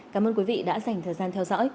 cảm ơn quý vị đã dành thời gian theo dõi